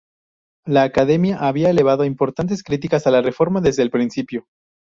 La Academia había elevado importantes críticas a la reforma desde el principio.